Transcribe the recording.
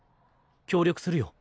協力するよ。